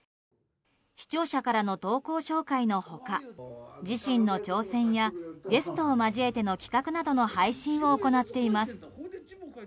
視聴者からの投稿紹介の他自身の挑戦やゲストを交えての企画などの配信を行っています。